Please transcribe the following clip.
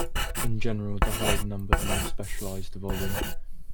In general, the higher the number, the more specialized the volume.